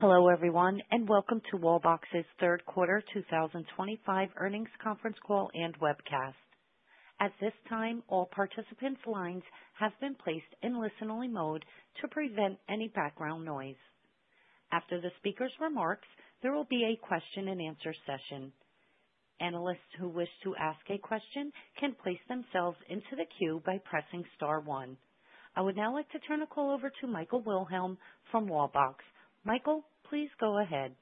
Hello, everyone, and welcome to Wallbox's third quarter 2025 earnings conference call and webcast. At this time, all participants' lines have been placed in listen-only mode to prevent any background noise. After the speaker's remarks, there will be a question-and-answer session. Analysts who wish to ask a question can place themselves into the queue by pressing star one. I would now like to turn the call over to Michael Wilhelm from Wallbox. Michael, please go ahead.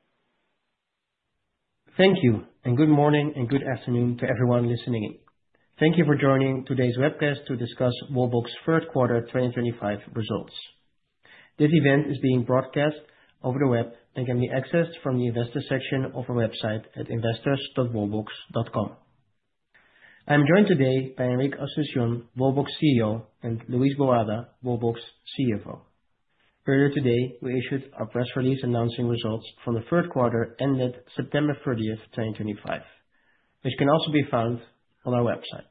Thank you, and good morning and good afternoon to everyone listening. Thank you for joining today's webcast to discuss Wallbox third quarter 2025 results. This event is being broadcast over the web and can be accessed from the investor section of our website at investors.wallbox.com. I'm joined today by Enric Asunción, Wallbox CEO, and Luis Boada, Wallbox CFO. Earlier today, we issued a press release announcing results from the third quarter ended September 30th, 2025, which can also be found on our website.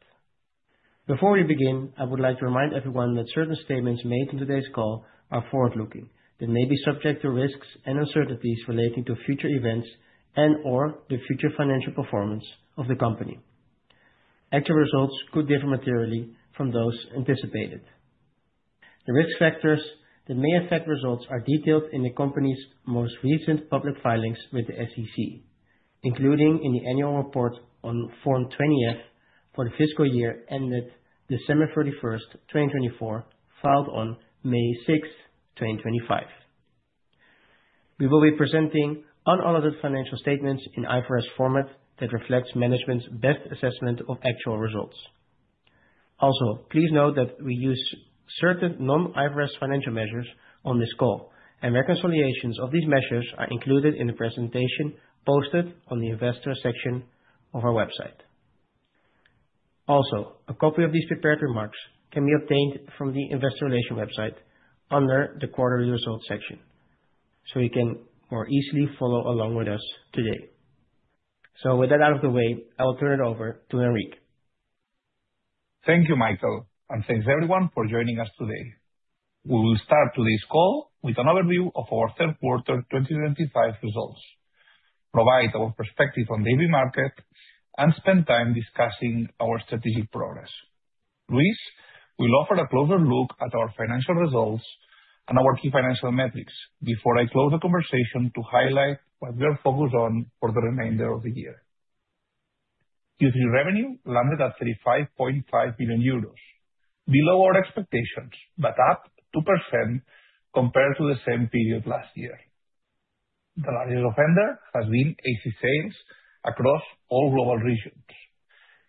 Before we begin, I would like to remind everyone that certain statements made in today's call are forward-looking and may be subject to risks and uncertainties relating to future events and/or the future financial performance of the company. Actual results could differ materially from those anticipated. The risk factors that may affect results are detailed in the company's most recent public filings with the SEC, including in the annual report on Form 20-F for the fiscal year ended December 31st, 2024, filed on May 6th, 2025. We will be presenting unaudited financial statements in IFRS format that reflects management's best assessment of actual results. Also, please note that we use certain non-IFRS financial measures on this call, and reconciliations of these measures are included in the presentation posted on the investor section of our website. Also, a copy of these prepared remarks can be obtained from the Investor Relations website under the Quarterly Results section, so you can more easily follow along with us today. So, with that out of the way, I will turn it over to Enric. Thank you, Michael, and thanks everyone for joining us today. We will start today's call with an overview of our third quarter 2025 results, provide our perspective on the EV market, and spend time discussing our strategic progress. Luis will offer a closer look at our financial results and our key financial metrics before I close the conversation to highlight what we are focused on for the remainder of the year. Q3 revenue landed at 35.5 million euros, below our expectations but up 2% compared to the same period last year. The largest offender has been AC sales across all global regions.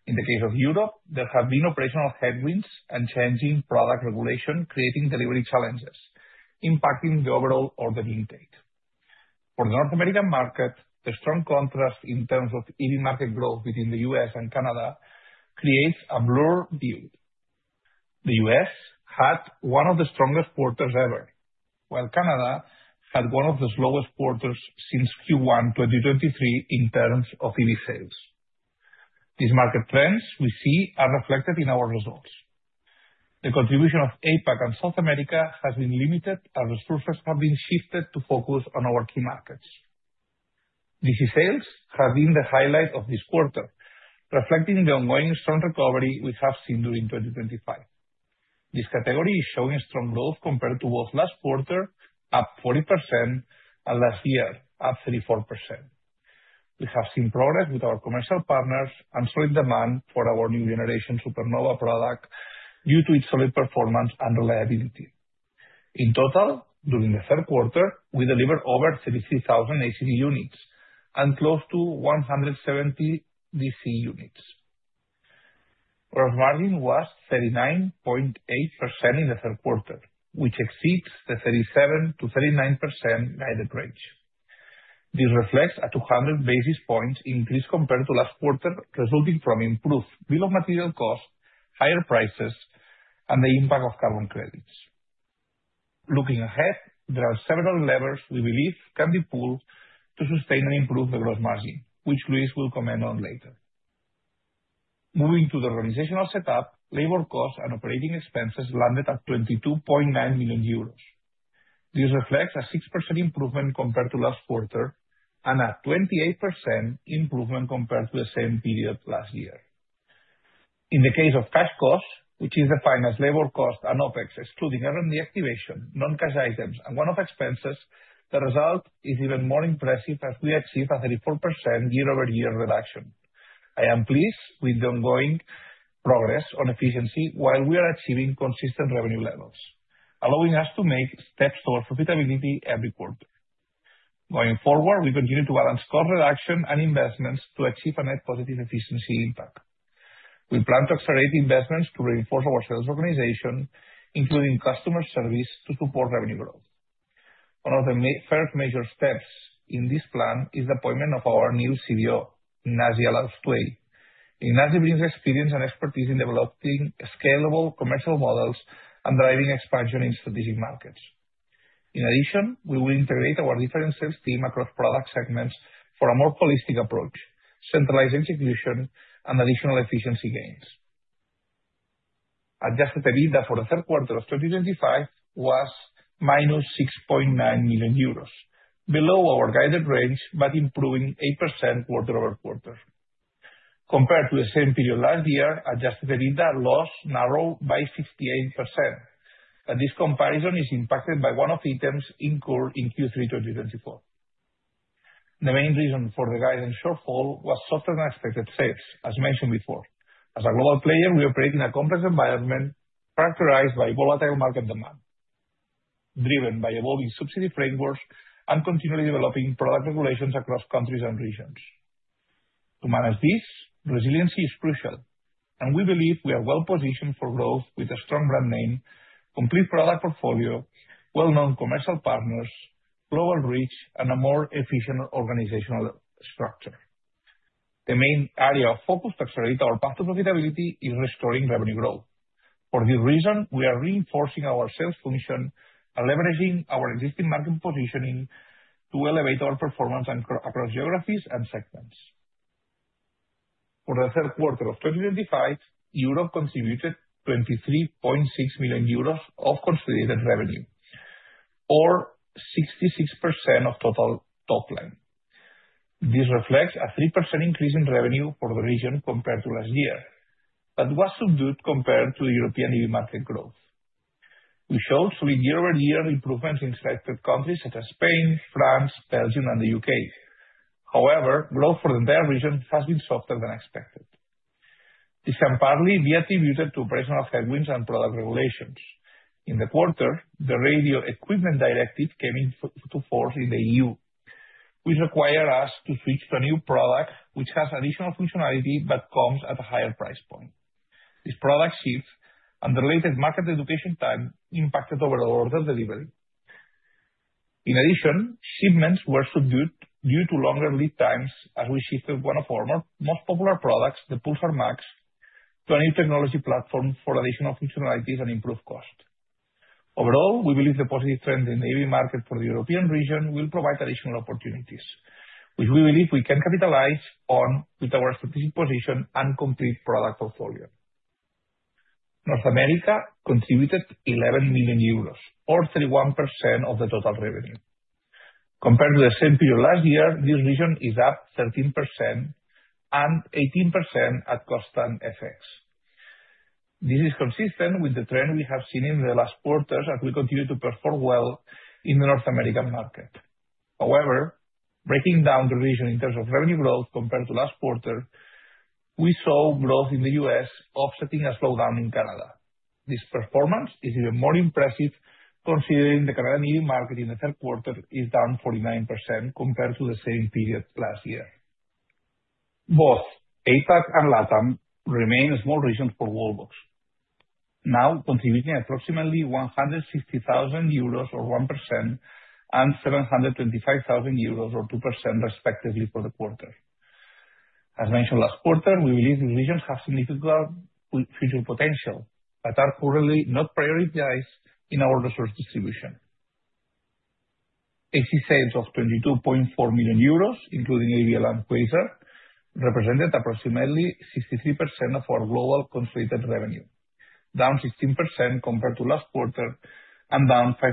In the case of Europe, there have been operational headwinds and changing product regulation creating delivery challenges, impacting the overall order intake. For the North American market, the strong contrast in terms of EV market growth within the U.S. and Canada creates a blurred view. The U.S. had one of the strongest quarters ever, while Canada had one of the slowest quarters since Q1 2023 in terms of EV sales. These market trends we see are reflected in our results. The contribution of APAC and South America has been limited, as resources have been shifted to focus on our key markets. DC sales have been the highlight of this quarter, reflecting the ongoing strong recovery we have seen during 2025. This category is showing strong growth compared to both last quarter, up 40%, and last year, up 34%. We have seen progress with our commercial partners and solid demand for our new generation Supernova product due to its solid performance and reliability. In total, during the third quarter, we delivered over 33,000 AC EV units and close to 170 DC units. Gross margin was 39.8% in the third quarter, which exceeds the 37%-39% guidance range. This reflects a 200 basis points increase compared to last quarter, resulting from improved bill-of-material costs, higher prices, and the impact of carbon credits. Looking ahead, there are several levers we believe can be pulled to sustain and improve the gross margin, which Luis will comment on later. Moving to the organizational setup, labor costs and operating expenses landed at 22.9 million euros. This reflects a 6% improvement compared to last quarter and a 28% improvement compared to the same period last year. In the case of cash costs, which is defined as labor costs and OpEx, excluding R&D activation, non-cash items, and one-off expenses, the result is even more impressive as we achieve a 34% year-over-year reduction. I am pleased with the ongoing progress on efficiency while we are achieving consistent revenue levels, allowing us to make steps towards profitability every quarter. Going forward, we continue to balance cost reduction and investments to achieve a net positive efficiency impact. We plan to accelerate investments to reinforce our sales organization, including customer service to support revenue growth. One of the first major steps in this plan is the appointment of our new CBO, Ignasi Alastuey. Ignasi brings experience and expertise in developing scalable commercial models and driving expansion in strategic markets. In addition, we will integrate our different sales teams across product segments for a more holistic approach, centralized execution, and additional efficiency gains. Adjusted EBITDA for the third quarter of 2025 was -6.9 million euros, below our guided range but improving 8% quarter-over-quarter. Compared to the same period last year, adjusted EBITDA loss narrowed by 68%. This comparison is impacted by one-off items incurred in Q3 2024. The main reason for the guidance shortfall was softer than expected sales, as mentioned before. As a global player, we operate in a complex environment characterized by volatile market demand, driven by evolving subsidy frameworks and continually developing product regulations across countries and regions. To manage this, resiliency is crucial, and we believe we are well positioned for growth with a strong brand name, complete product portfolio, well-known commercial partners, global reach, and a more efficient organizational structure. The main area of focus to accelerate our path to profitability is restoring revenue growth. For this reason, we are reinforcing our sales function and leveraging our existing market positioning to elevate our performance across geographies and segments. For the third quarter of 2025, Europe contributed 23.6 million euros of consolidated revenue, or 66% of total top line. This reflects a 3% increase in revenue for the region compared to last year, but it was subdued compared to the European EV market growth. We showed solid year-over-year improvements in selected countries such as Spain, France, Belgium, and the U.K. However, growth for the entire region has been softer than expected. This is partly attributed to operational headwinds and product regulations. In the quarter, the Radio Equipment Directive came into force in the E.U., which required us to switch to a new product which has additional functionality but comes at a higher price point. This product shift and related market education time impacted overall order delivery. In addition, shipments were subdued due to longer lead times as we shifted one of our most popular products, the Pulsar Max, to a new technology platform for additional functionalities and improved cost. Overall, we believe the positive trend in the EV market for the European region will provide additional opportunities, which we believe we can capitalize on with our strategic position and complete product portfolio. North America contributed 11 million euros, or 31% of the total revenue. Compared to the same period last year, this region is up 13% and 18% at constant FX. This is consistent with the trend we have seen in the last quarter as we continue to perform well in the North American market. However, breaking down the region in terms of revenue growth compared to last quarter, we saw growth in the U.S. offsetting a slowdown in Canada. This performance is even more impressive considering the Canadian EV market in the third quarter is down 49% compared to the same period last year. Both APAC and LatAm remain small regions for Wallbox, now contributing at approximately 160,000 euros, or 1%, and 725,000 euros, or 2%, respectively, for the quarter. As mentioned last quarter, we believe these regions have significant future potential but are currently not prioritized in our resource distribution. AC sales of 22.4 million euros, including ABL and Quasar, represented approximately 63% of our global consolidated revenue, down 16% compared to last quarter and down 5%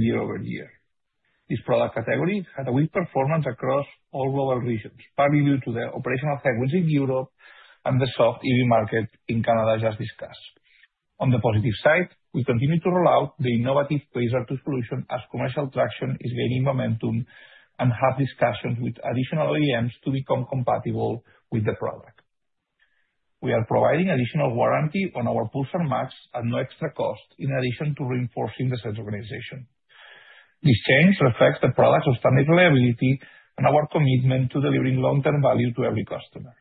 year-over-year. This product category had a weak performance across all global regions, partly due to the operational headwinds in Europe and the soft EV market in Canada just discussed. On the positive side, we continue to roll out the innovative Quasar 2 solution as commercial traction is gaining momentum and have discussions with additional OEMs to become compatible with the product. We are providing additional warranty on our Pulsar Max at no extra cost, in addition to reinforcing the sales organization. This change reflects the product's understanding of reliability and our commitment to delivering long-term value to every customer.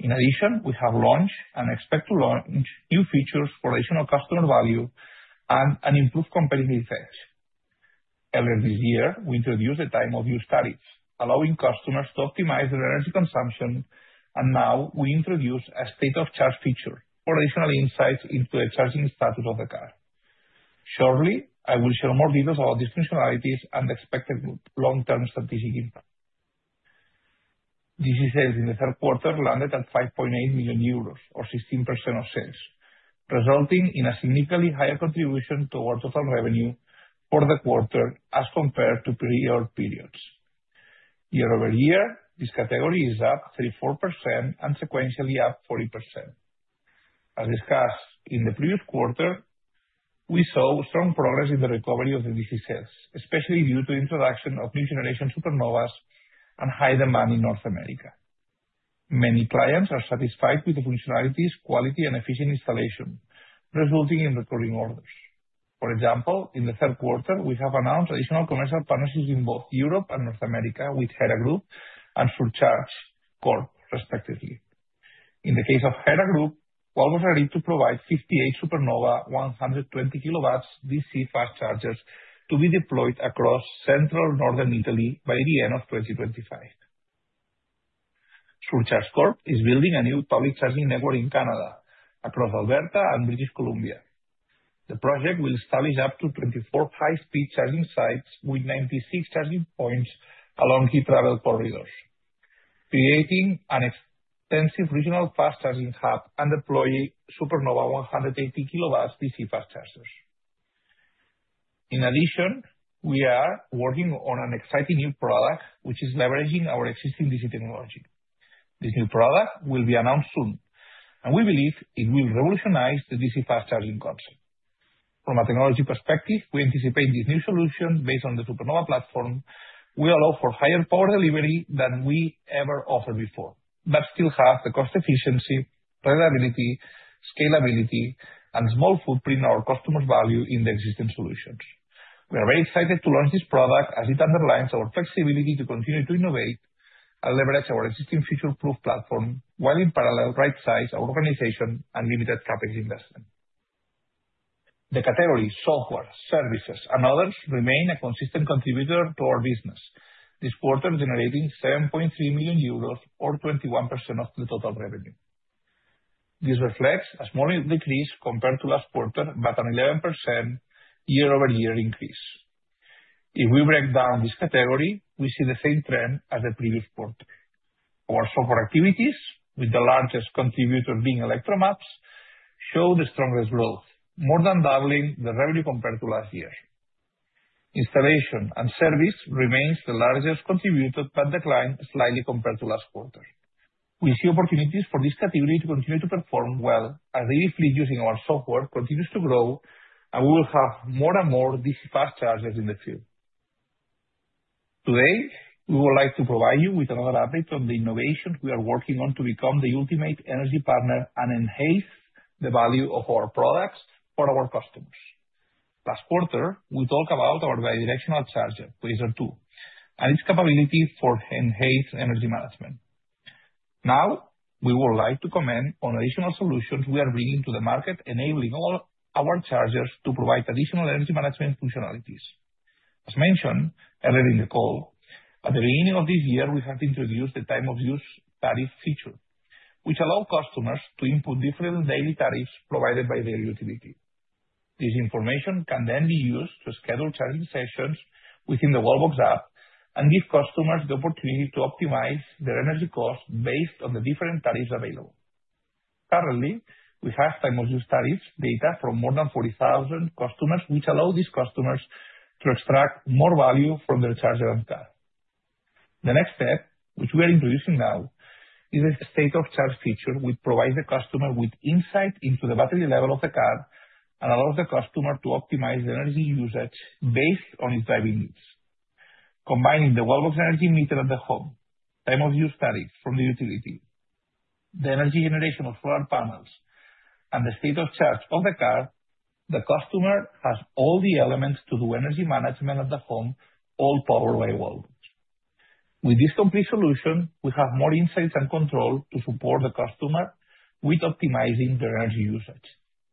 In addition, we have launched and expect to launch new features for additional customer value and an improved competitive edge. Earlier this year, we introduced the time-of-use tariffs, allowing customers to optimize their energy consumption, and now we introduce a state-of-charge feature for additional insights into the charging status of the car. Shortly, I will share more details about these functionalities and expected long-term strategic impact. DC sales in the third quarter landed at 5.8 million euros, or 16% of sales, resulting in a significantly higher contribution to our total revenue for the quarter as compared to prior periods. Year-over-year, this category is up 34% and sequentially up 40%. As discussed in the previous quarter, we saw strong progress in the recovery of the DC sales, especially due to the introduction of new generation Supernovas and high demand in North America. Many clients are satisfied with the functionality's quality and efficient installation, resulting in recurring orders. For example, in the third quarter, we have announced additional commercial partnerships in both Europe and North America with Hera Group and SureCharge Corp., respectively. In the case of Hera Group, Wallbox and Hera to provide 58 Supernova 120 kW DC fast chargers to be deployed across central northern Italy by the end of 2025. SureCharge Corp. is building a new public charging network in Canada across Alberta and British Columbia. The project will establish up to 24 high-speed charging sites with 96 charging points along key travel corridors, creating an extensive regional fast charging hub and deploying Supernova 180 kW DC fast chargers. In addition, we are working on an exciting new product which is leveraging our existing DC technology. This new product will be announced soon, and we believe it will revolutionize the DC fast charging concept. From a technology perspective, we anticipate this new solution based on the Supernova platform will allow for higher power delivery than we ever offered before, but still have the cost efficiency, reliability, scalability, and small footprint that our customers value in the existing solutions. We are very excited to launch this product as it underlines our flexibility to continue to innovate and leverage our existing future-proof platform while in parallel right-size our organization and limited CapEx investment. The categories software, services, and others remain a consistent contributor to our business, this quarter generating 7.3 million euros, or 21% of the total revenue. This reflects a small decrease compared to last quarter but an 11% year-over-year increase. If we break down this category, we see the same trend as the previous quarter. Our software activities, with the largest contributor being Electromaps, show the strongest growth, more than doubling the revenue compared to last year. Installation and service remains the largest contributor but declined slightly compared to last quarter. We see opportunities for this category to continue to perform well as the installation using our software continues to grow, and we will have more and more DC fast chargers in the field. Today, we would like to provide you with another update on the innovations we are working on to become the ultimate energy partner and enhance the value of our products for our customers. Last quarter, we talked about our bidirectional charger, Quasar 2, and its capability for enhanced energy management. Now, we would like to comment on additional solutions we are bringing to the market, enabling all our chargers to provide additional energy management functionalities. As mentioned earlier in the call, at the beginning of this year, we have introduced the time-of-use tariff feature, which allows customers to input different daily tariffs provided by their utility. This information can then be used to schedule charging sessions within the Wallbox app and give customers the opportunity to optimize their energy cost based on the different tariffs available. Currently, we have time-of-use tariff data from more than 40,000 customers, which allows these customers to extract more value from their charging car. The next step, which we are introducing now, is a state-of-charge feature which provides the customer with insight into the battery level of the car and allows the customer to optimize energy usage based on his driving needs. Combining the Wallbox energy meter at the home, time-of-use tariff from the utility, the energy generation of solar panels, and the state-of-charge of the car, the customer has all the elements to do energy management at the home, all powered by Wallbox. With this complete solution, we have more insights and control to support the customer with optimizing their energy usage,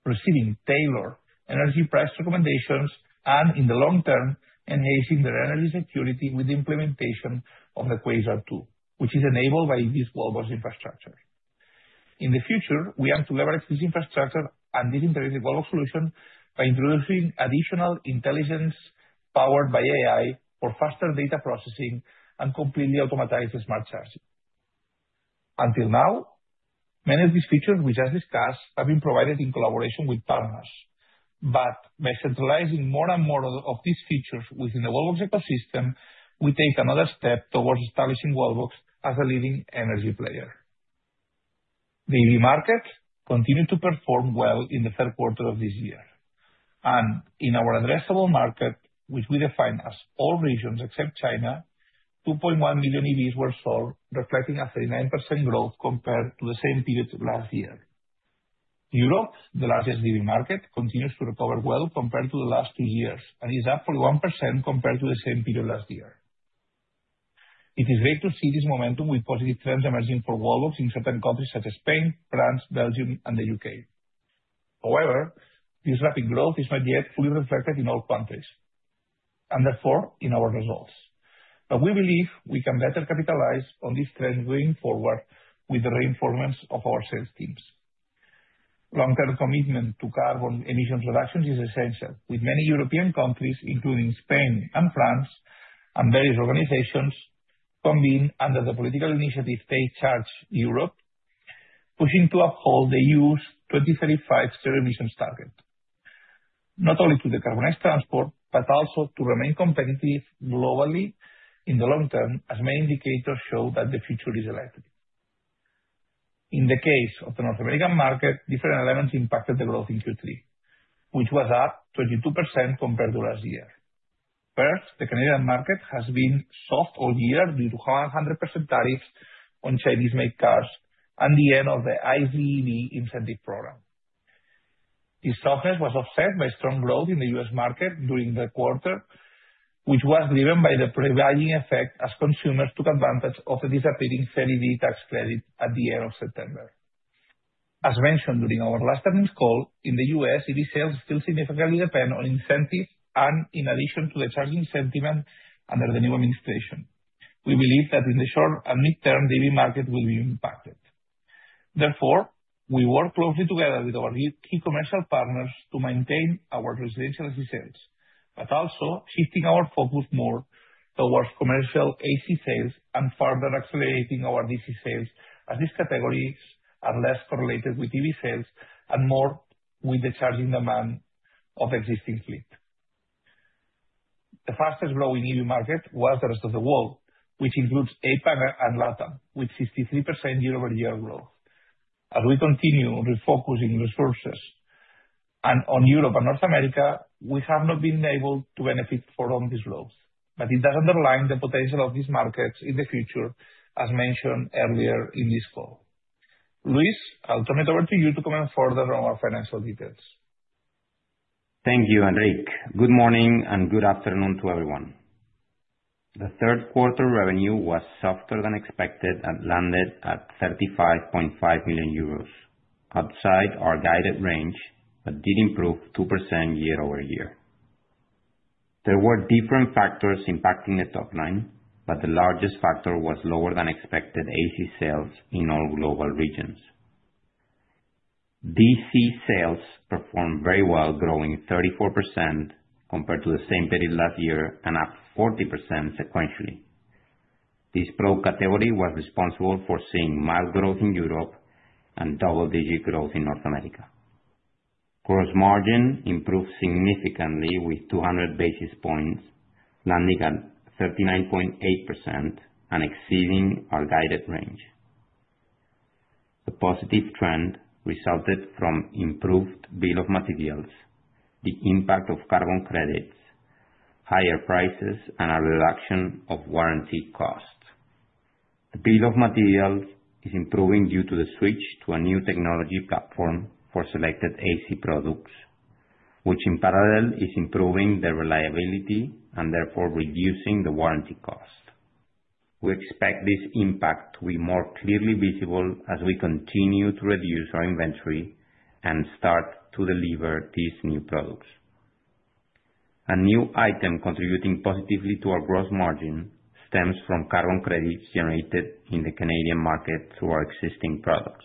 receiving tailored energy price recommendations, and in the long term, enhancing their energy security with the implementation of the Quasar 2, which is enabled by this Wallbox infrastructure. In the future, we aim to leverage this infrastructure, and this integrated Wallbox solution by introducing additional intelligence powered by AI for faster data processing and completely automated smart charging. Until now, many of these features we just discussed have been provided in collaboration with partners, but by centralizing more and more of these features within the Wallbox ecosystem, we take another step towards establishing Wallbox as a leading energy player. The EV market continued to perform well in the third quarter of this year, and in our addressable market, which we defined as all regions except China, 2.1 million EVs were sold, reflecting a 39% growth compared to the same period last year. Europe, the largest EV market, continues to recover well compared to the last two years and is up 41% compared to the same period last year. It is great to see this momentum with positive trends emerging for Wallbox in certain countries such as Spain, France, Belgium, and the U.K. However, this rapid growth is not yet fully reflected in all countries and therefore in our results, but we believe we can better capitalize on this trend going forward with the reinforcement of our sales teams. Long-term commitment to carbon emissions reductions is essential, with many European countries, including Spain and France and various organizations, convening under the political initiative [inaudible] Europe, pushing to uphold the EU's 2035 zero emissions target, not only to decarbonize transport but also to remain competitive globally in the long term as many indicators show that the future is ahead of us. In the case of the North American market, different elements impacted the growth in Q3, which was up 22% compared to last year. First, the Canadian market has been soft all year due to 100% tariffs on Chinese-made cars and the end of the iZEV incentive program. This softness was offset by strong growth in the U.S. market during the quarter, which was driven by the pre-buying effect as consumers took advantage of the disappearing EV tax credit at the end of September. As mentioned during our last earnings call, in the U.S., EV sales still significantly depend on incentive and in addition to the changing sentiment under the new administration. We believe that in the short and midterm, the EV market will be impacted. Therefore, we work closely together with our key commercial partners to maintain our residential EV sales, but also shifting our focus more towards commercial AC sales and further accelerating our DC sales as these categories are less correlated with EV sales and more with the charging demand of existing fleet. The fastest growing EV market was the rest of the world, which includes APAC and LatAm, with 63% year-over-year growth. As we continue refocusing resources on Europe and North America, we have not been able to benefit from this growth, but it does underline the potential of these markets in the future, as mentioned earlier in this call. Luis, I'll turn it over to you to comment further on our financial details. Thank you, Enric. Good morning and good afternoon to everyone. The third quarter revenue was softer than expected and landed at 35.5 million euros outside our guided range but did improve 2% year-over-year. There were different factors impacting the top line, but the largest factor was lower than expected AC sales in all global regions. DC sales performed very well, growing 34% compared to the same period last year and up 40% sequentially. This product category was responsible for seeing mild growth in Europe and double-digit growth in North America. Gross margin improved significantly with 200 basis points, landing at 39.8% and exceeding our guided range. The positive trend resulted from improved bill of materials, the impact of carbon credits, higher prices, and a reduction of warranty costs. The bill of materials is improving due to the switch to a new technology platform for selected AC products, which in parallel is improving the reliability and therefore reducing the warranty cost. We expect this impact to be more clearly visible as we continue to reduce our inventory and start to deliver these new products. A new item contributing positively to our gross margin stems from carbon credits generated in the Canadian market through our existing products.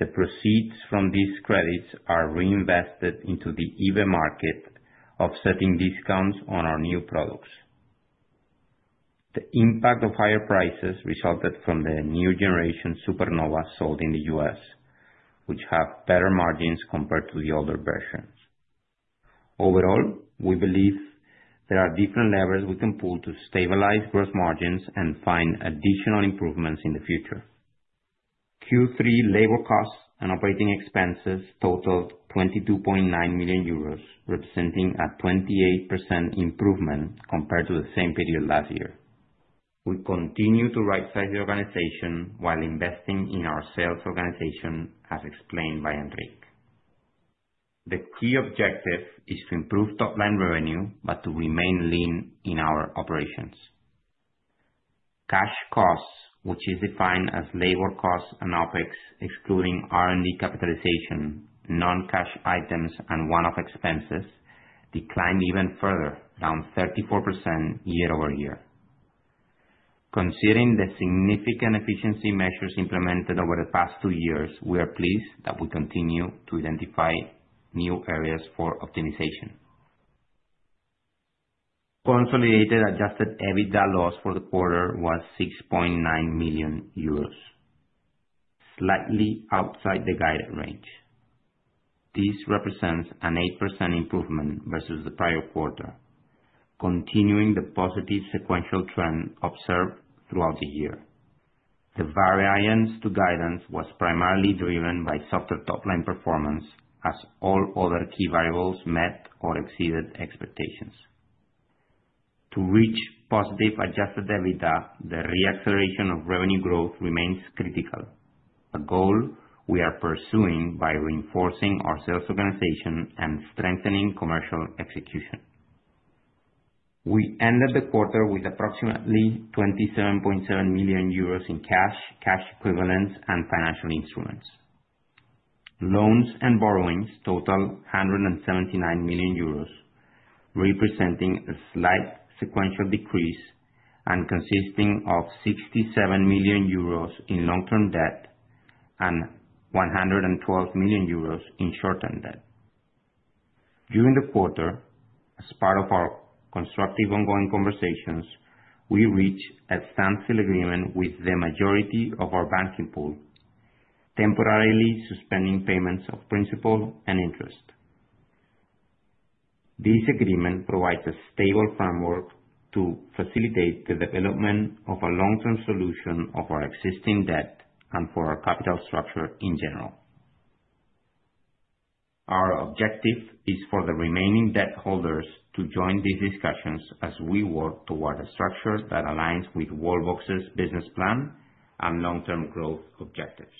The proceeds from these credits are reinvested into the EV market, offsetting discounts on our new products. The impact of higher prices resulted from the new generation Supernova sold in the U.S., which have better margins compared to the older versions. Overall, we believe there are different levers we can pull to stabilize gross margins and find additional improvements in the future. Q3 labor costs and operating expenses totaled 22.9 million euros, representing a 28% improvement compared to the same period last year. We continue to right-size the organization while investing in our sales organization, as explained by Enric. The key objective is to improve top line revenue but to remain lean in our operations. Cash costs, which is defined as labor costs and OpEx, excluding R&D capitalization, non-cash items, and one-off expenses, declined even further, down 34% year-over-year. Considering the significant efficiency measures implemented over the past two years, we are pleased that we continue to identify new areas for optimization. Consolidated adjusted EBITDA loss for the quarter was 6.9 million euros, slightly outside the guided range. This represents an 8% improvement versus the prior quarter, continuing the positive sequential trend observed throughout the year. The variance to guidance was primarily driven by softer top line performance as all other key variables met or exceeded expectations. To reach positive adjusted EBITDA, the reacceleration of revenue growth remains critical, a goal we are pursuing by reinforcing our sales organization and strengthening commercial execution. We ended the quarter with approximately 27.7 million euros in cash, cash equivalents, and financial instruments. Loans and borrowings totaled 179 million euros, representing a slight sequential decrease and consisting of 67 million euros in long-term debt and 112 million euros in short-term debt. During the quarter, as part of our constructive ongoing conversations, we reached a standstill agreement with the majority of our banking pool, temporarily suspending payments of principal and interest. This agreement provides a stable framework to facilitate the development of a long-term solution of our existing debt and for our capital structure in general. Our objective is for the remaining debt holders to join these discussions as we work toward a structure that aligns with Wallbox's business plan and long-term growth objectives.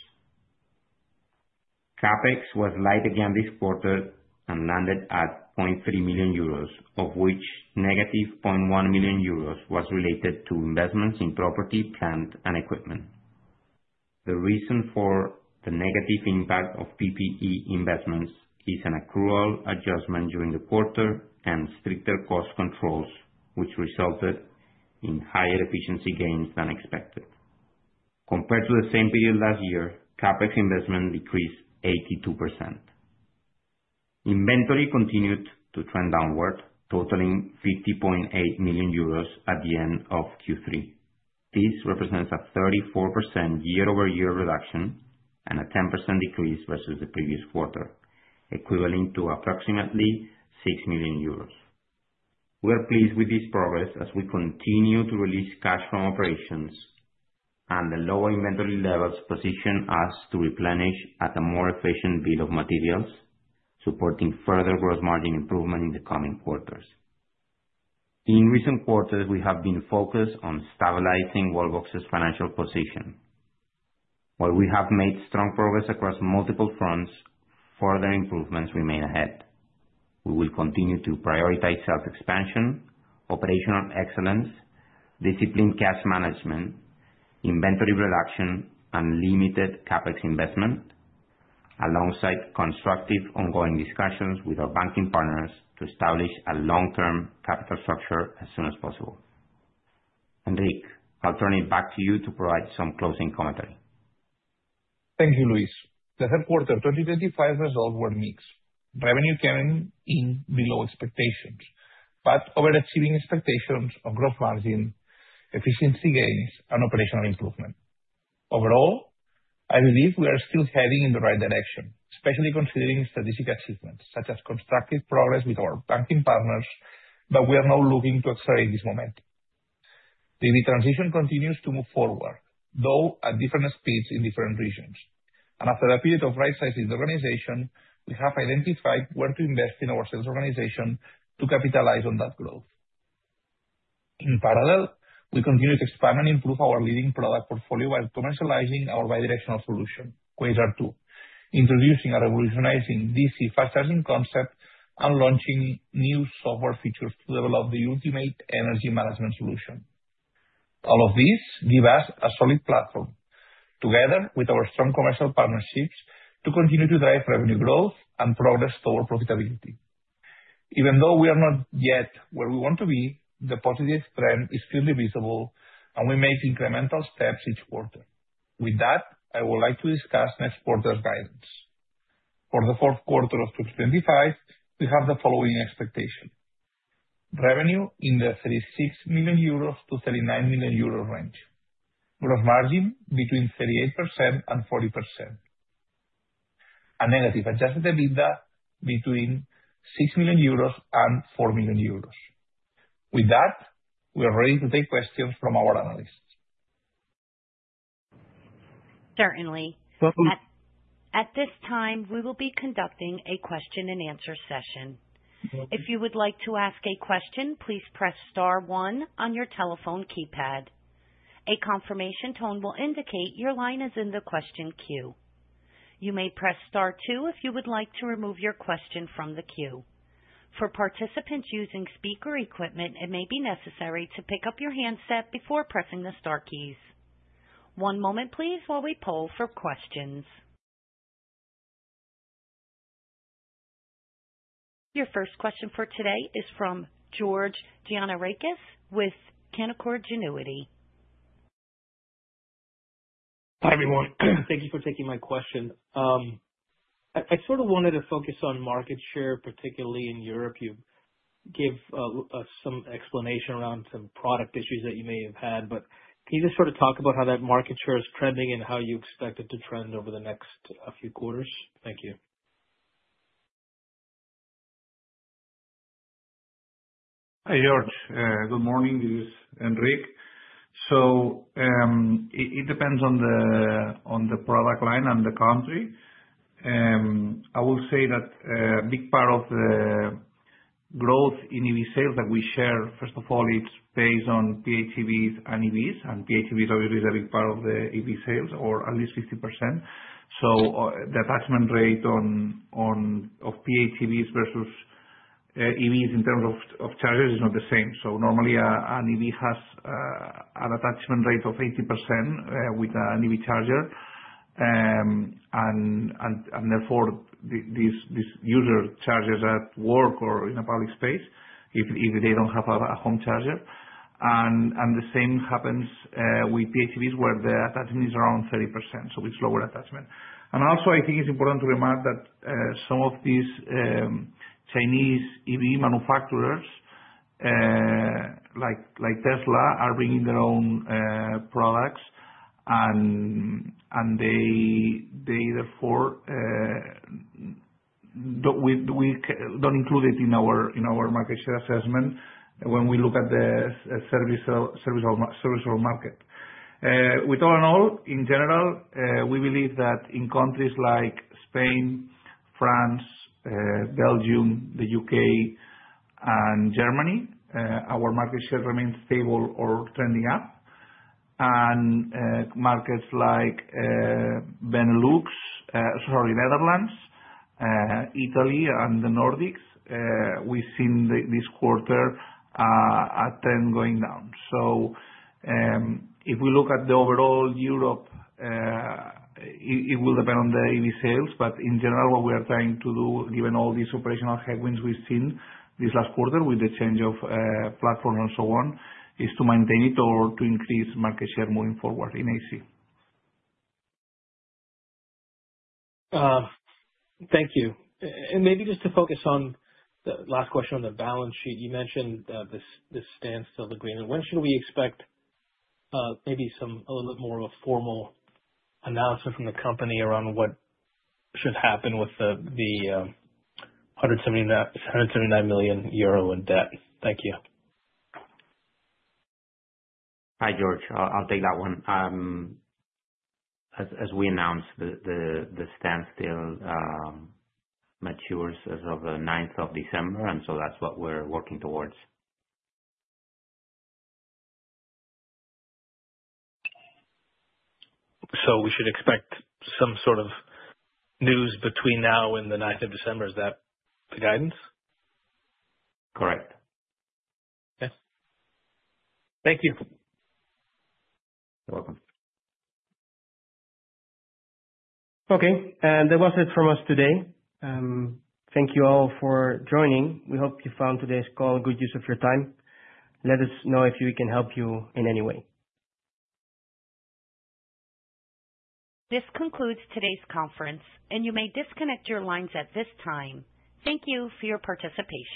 CapEx was light again this quarter and landed at 0.3 million euros, of which -0.1 million euros was related to investments in property, plant, and equipment. The reason for the negative impact of PPE investments is an accrual adjustment during the quarter and stricter cost controls, which resulted in higher efficiency gains than expected. Compared to the same period last year, CapEx investment decreased 82%. Inventory continued to trend downward, totaling 50.8 million euros at the end of Q3. This represents a 34% year-over-year reduction and a 10% decrease versus the previous quarter, equivalent to approximately 6 million euros. We are pleased with this progress as we continue to release cash from operations, and the lower inventory levels position us to replenish at a more efficient bill of materials, supporting further gross margin improvement in the coming quarters. In recent quarters, we have been focused on stabilizing Wallbox's financial position. While we have made strong progress across multiple fronts, further improvements remain ahead. We will continue to prioritize sales expansion, operational excellence, disciplined cash management, inventory reduction, and limited CapEx investment, alongside constructive ongoing discussions with our banking partners to establish a long-term capital structure as soon as possible. Enric, I'll turn it back to you to provide some closing commentary. Thank you, Luis. The third quarter 2025 results were mixed. Revenue came in below expectations, but overachieving expectations on gross margin, efficiency gains, and operational improvement. Overall, I believe we are still heading in the right direction, especially considering significant achievements such as constructive progress with our banking partners, but we are now looking to accelerate this momentum. The transition continues to move forward, though at different speeds in different regions, and after a period of right-sizing the organization, we have identified where to invest in our sales organization to capitalize on that growth. In parallel, we continue to expand and improve our leading product portfolio while commercializing our bidirectional solution, Quasar 2, introducing a revolutionizing DC fast charging concept and launching new software features to develop the ultimate energy management solution. All of these give us a solid platform, together with our strong commercial partnerships, to continue to drive revenue growth and progress toward profitability. Even though we are not yet where we want to be, the positive trend is clearly visible, and we make incremental steps each quarter. With that, I would like to discuss next quarter's guidance. For the fourth quarter of 2025, we have the following expectation: revenue in the 36 million-39 million euros range, gross margin between 38% and 40%, and negative adjusted EBITDA between 6 million euros and 4 million euros. With that, we are ready to take questions from our analysts. Certainly. At this time, we will be conducting a question-and-answer session. If you would like to ask a question, please press star one on your telephone keypad. A confirmation tone will indicate your line is in the question queue. You may press star two if you would like to remove your question from the queue. For participants using speaker equipment, it may be necessary to pick up your handset before pressing the star keys. One moment, please, while we poll for questions. Your first question for today is from George Gianarikas with Canaccord Genuity. Hi, everyone. Thank you for taking my question. I sort of wanted to focus on market share, particularly in Europe. You gave some explanation around some product issues that you may have had, but can you just sort of talk about how that market share is trending and how you expect it to trend over the next few quarters? Thank you. Hi, George. Good morning, this is Enric. So it depends on the product line and the country. I will say that a big part of the growth in EV sales that we share, first of all, it's based on PHEVs and EVs, and PHEVs obviously is a big part of the EV sales, or at least 50%. So, the attachment rate of PHEVs versus EVs in terms of chargers is not the same. So normally, an EV has an attachment rate of 80% with an EV charger, and therefore, these users charge at work or in a public space if they don't have a home charger. And the same happens with PHEVs where the attachment is around 30%, so it's lower attachment. And also, I think it's important to remark that some of these Chinese EV manufacturers like Tesla are bringing their own products, and they therefore don't include it in our market share assessment when we look at the service market. All in all, in general, we believe that in countries like Spain, France, Belgium, the U.K., and Germany, our market share remains stable or trending up. And markets like Benelux, sorry, Netherlands, Italy, and the Nordics, we've seen this quarter a trend going down. So if we look at the overall Europe, it will depend on the EV sales, but in general, what we are trying to do, given all these operational headwinds we've seen this last quarter with the change of platform and so on, is to maintain it or to increase market share moving forward in AC. Thank you. And maybe just to focus on the last question on the balance sheet, you mentioned this standstill agreement. When should we expect maybe a little bit more of a formal announcement from the company around what should happen with the 179 million euro in debt? Thank you. Hi, George. I'll take that one. As we announced, the standstill matures as of the 9th of December, and so that's what we're working towards. So we should expect some sort of news between now and the 9th of December. Is that the guidance? Correct. Okay. Thank you. You're welcome. Okay. And that was it from us today. Thank you all for joining. We hope you found today's call good use of your time. Let us know if we can help you in any way. This concludes today's conference, and you may disconnect your lines at this time. Thank you for your participation.